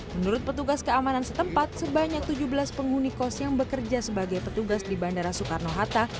menurut petugas keamanan setempat sebanyak tujuh belas penghuni kos yang bekerja sebagai petugas di bandara soekarno hatta